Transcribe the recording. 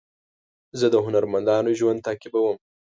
زه د هنرمندانو ژوند تعقیبوم.